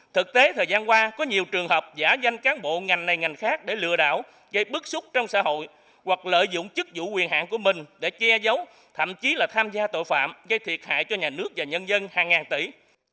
thực tế thời gian qua có nhiều trường hợp giả danh cán bộ ngành này ngành khác để lừa đảo gây bức xúc trong xã hội hoặc lợi dụng chức vụ quyền hạn của mình để che giấu thậm chí là tham gia tội phạm gây thiệt hại cho nhà nước và nhân dân hàng ngàn tỷ